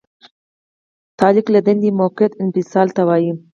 تعلیق له دندې موقت انفصال ته وایي.